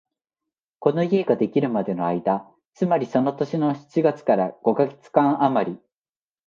この家ができるまでの間、つまりその年の七月から五カ月間あまり、